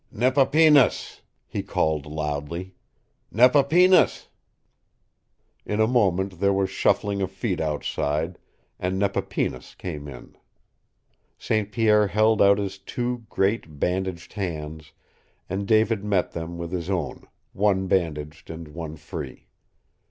"Nepapinas!" he called loudly. "Nepapinas!" In a moment there was shuffling of feet outside, and Nepapinas came in. St. Pierre held out his two great, bandaged hands, and David met them with his own, one bandaged and one free.